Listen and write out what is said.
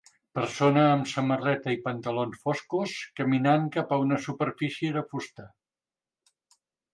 Persona amb samarreta i pantalons foscos caminant cap a una superfície de fusta.